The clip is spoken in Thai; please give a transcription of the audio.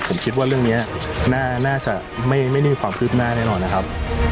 ผมคิดว่าเรื่องนี้น่าจะไม่มีความคืบหน้าแน่นอนนะครับ